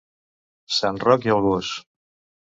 Sant Roc i el gos!